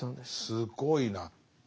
すごいな。